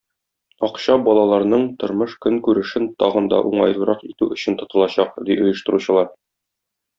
Акча балаларның тормыш-көнкүрешен тагын да уңайлырак итү өчен тотылачак, ди оештыручылар.